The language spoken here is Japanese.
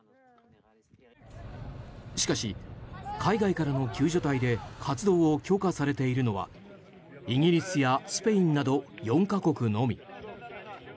しかし、海外からの救助隊で活動を許可されているのはイギリスやスペインなど４か国のみ。